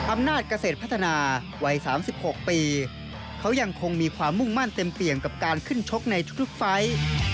อำนาจเกษตรพัฒนาวัย๓๖ปีเขายังคงมีความมุ่งมั่นเต็มเปี่ยงกับการขึ้นชกในทุกไฟล์